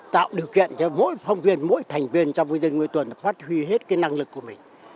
tạo điều kiện cho mỗi phóng viên mỗi thành viên trong nhân dân cuối tuần phát huy hết năng lực của mình